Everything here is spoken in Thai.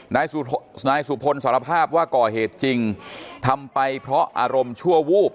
นายสุพลสารภาพว่าก่อเหตุจริงทำไปเพราะอารมณ์ชั่ววูบ